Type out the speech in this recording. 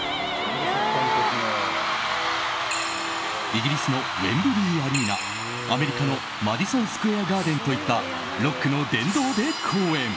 イギリスのウェンブリーアリーナアメリカのマディソンスクエアガーデンといったロックの殿堂で公演。